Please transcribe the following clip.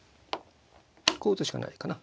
こう打つしかないかな。